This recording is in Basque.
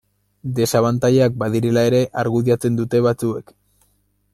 Desabantailak badirela ere argudiatzen dute batzuek.